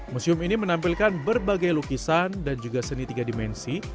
museum ini menampilkan berbagai lukisan dan juga seni tiga dimensi